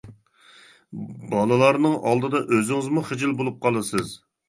بالىلارنىڭ ئالدىدا ئۆزىڭىزمۇ خىجىل بولۇپ قالىسىز.